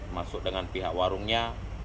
masuk dengan pihak warungnya